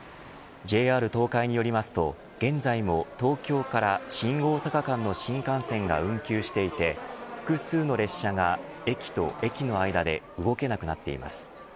ＪＲ東海によりますと、現在も東京から新大阪間の新幹線が運休していて複数の列車が駅と駅の間で動けなくなっています。